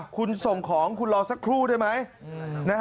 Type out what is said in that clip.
คุณส่งของคุณรอสักครู่ได้ไหม